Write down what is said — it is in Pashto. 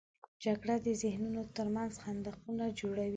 جګړه د ذهنونو تر منځ خندقونه جوړوي